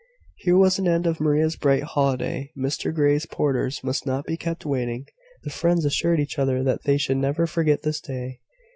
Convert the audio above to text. Here was an end of Maria's bright holiday. Mr Grey's porters must not be kept waiting. The friends assured each other that they should never forget this day.